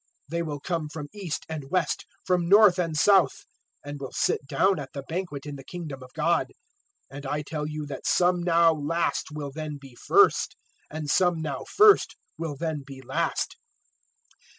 013:029 They will come from east and west, from north and south, and will sit down at the banquet in the Kingdom of God. 013:030 And I tell you that some now last will then be first, and some now first will then be last."